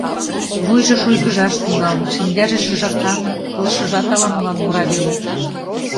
Вуйжо шуйгыжаш тӱҥалын, шинчаже шыжакаҥын, пылышыжат ала-молан мура веле.